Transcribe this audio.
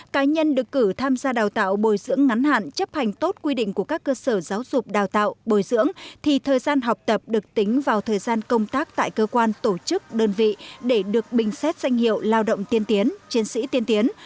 cá nhân được cử tham gia đào tạo bồi dưỡng ngắn hạn chấp hành tốt quy định của các cơ sở giáo dục đào tạo bồi dưỡng thì thời gian học tập được tính vào thời gian công tác tại cơ quan tổ chức đơn vị để được bình xét danh hiệu lao động tiên tiến chiến sĩ tiên tiến